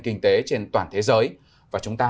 kinh tế trên toàn thế giới và chúng ta